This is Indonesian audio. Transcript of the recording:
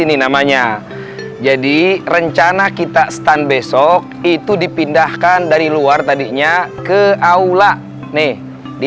ini namanya jadi rencana kita stun besok itu dipindahkan dari luar tadinya ke aula nih di